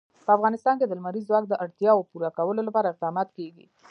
په افغانستان کې د لمریز ځواک د اړتیاوو پوره کولو لپاره اقدامات کېږي.